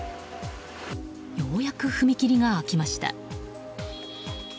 ようやく踏切が開きました。